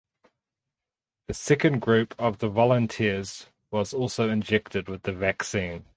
The second group of the volunteers was also injected with the vaccine.